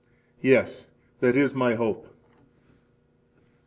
Yes, that is my hope.